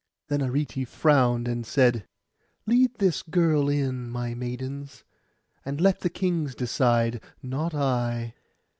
Then Arete frowned, and said, 'Lead this girl in, my maidens; and let the kings decide, not I.